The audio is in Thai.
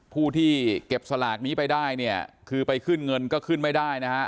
ผู้ที่เก็บสลากนี้ไปได้เนี่ยคือไปขึ้นเงินก็ขึ้นไม่ได้นะฮะ